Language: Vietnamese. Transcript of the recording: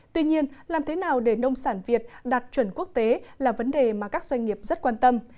tuy nhiên làm thế nào để nông sản việt đạt chuẩn quốc tế là vấn đề mà các doanh nghiệp rất quan tâm